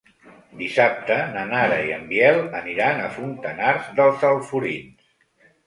Dissabte na Nara i en Biel aniran a Fontanars dels Alforins.